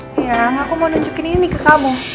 iya aku mau nunjukin ini ke kamu